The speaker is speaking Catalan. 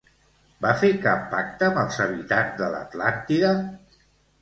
Va fer cap pacte amb els habitants de l'Atlàntida?